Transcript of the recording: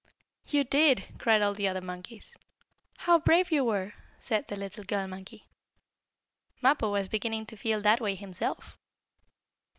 "You did!" cried all the other monkeys. "How brave you were!" said the little girl monkey. Mappo was beginning to feel that way himself!